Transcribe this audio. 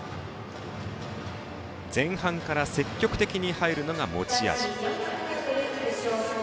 前半から積極的に入るのが持ち味。